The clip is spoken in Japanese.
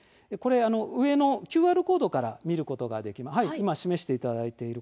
上のＱＲコードからも見ることができます。